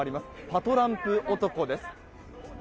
パトランプ男です。